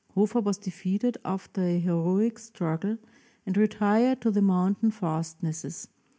Hofer was defeated after a heroic struggle and retired to the moun tain fastnesses.